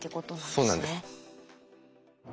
そうなんです。